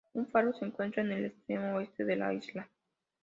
Un faro se encuentra en el extremo oeste de la isla.